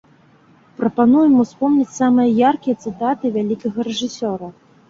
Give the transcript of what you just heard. Прапануем успомніць самыя яркія цытаты вялікага рэжысёра.